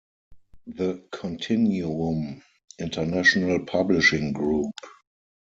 The Continuum International Publishing Group.